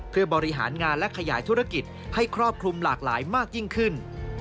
เพื่อบริหารงานและขยายธุรกิจให้ครอบคลุมหลากหลายมากยิ่งขึ้น